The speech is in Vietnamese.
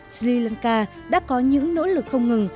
sri lanka đã có những nỗ lực không ngừng